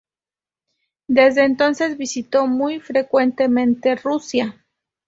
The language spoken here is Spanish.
Desde entonces visitó muy frecuentemente Rusia.